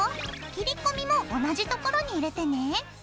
切り込みも同じところに入れてね。